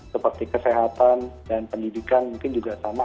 seperti kesehatan dan pendidikan mungkin juga sama